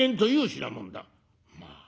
「まあ。